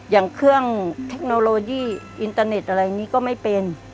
อย่างเครื่องเทคโนโลยีอินเตอร์เน็ตอะไรนี้ก็ไม่เป็น